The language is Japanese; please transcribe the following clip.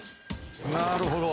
なるほど。